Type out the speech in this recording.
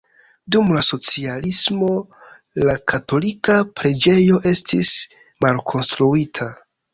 Dum la socialismo la katolika preĝejo estis malkonstruita.